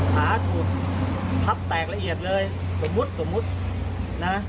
ขาถูกพับแตกละเอียดเลยสมมุตินะ